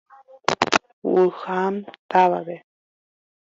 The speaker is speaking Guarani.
Wuhan távape.